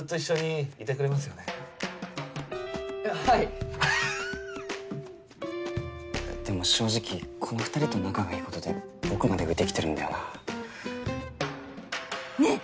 えっあっはいでも正直この２人と仲がいいことで僕まで浮いてきてるんだよなねぇ